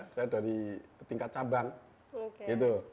saya dari tingkat cabang gitu